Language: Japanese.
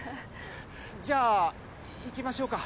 じゃあ行きましょうか。